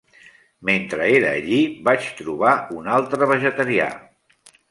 Mentre era allí, vaig trobar un altre vegetarià.